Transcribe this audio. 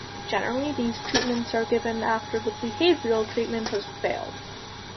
Generally, these treatments are given after the behavioral treatment has failed.